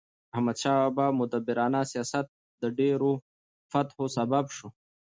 احمدشاه بابا مدبرانه سیاست د ډیرو فتحو سبب سو.